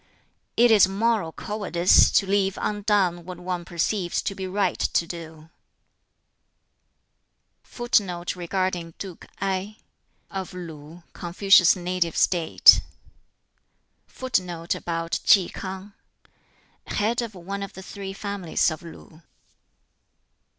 "It is moral cowardice to leave undone what one perceives to be right to do." [Footnote 2: Of Lu (Confucius's native State).] [Footnote 3: Head of one of the "Three Families" of Lu.